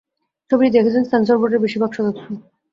ছবিটি দেখেছেন সেন্সর বোর্ডের বেশির ভাগ সদস্য।